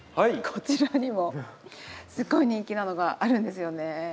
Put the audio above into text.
こちらにもすごい人気なのがあるんですよね。